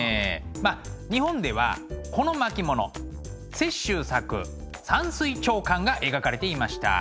まあ日本ではこの巻物雪舟作「山水長巻」が描かれていました。